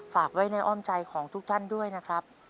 ฝากไว้ในอ้อมใจของทุกท่านด้วยนะครับ